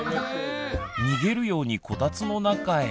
逃げるようにこたつの中へ。